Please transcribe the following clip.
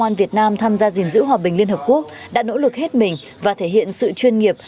an việt nam tham gia gìn giữ hòa bình liên hợp quốc đã nỗ lực hết mình và thể hiện sự chuyên nghiệp